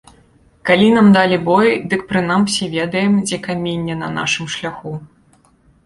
Калі нам далі бой, дык прынамсі ведаем, дзе каменне на нашым шляху.